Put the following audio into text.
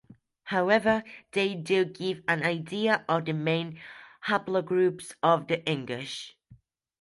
However, they do give an idea of the main haplogroups of the Ingush.